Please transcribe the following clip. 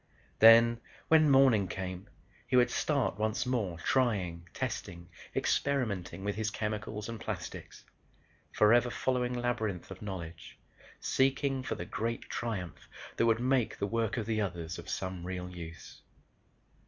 Then when morning came he would start once more trying, testing, experimenting with his chemicals and plastics, forever following labyrinth of knowledge, seeking for the great triumph that would make the work of the others of some real use.